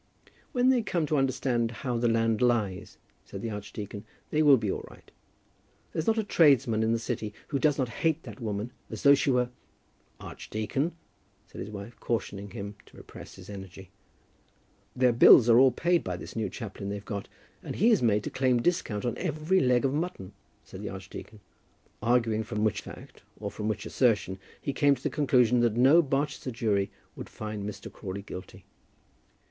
"When they come to understand how the land lies," said the archdeacon, "they will be all right. There's not a tradesman in the city who does not hate that woman as though she were " "Archdeacon," said his wife, cautioning him to repress his energy. "Their bills are all paid by this new chaplain they've got, and he is made to claim discount on every leg of mutton," said the archdeacon. Arguing from which fact, or from which assertion, he came to the conclusion that no Barchester jury would find Mr. Crawley guilty.